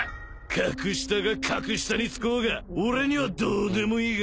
格下が格下につこうが俺にはどうでもいいが。